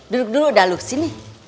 duduk dulu dah lu sini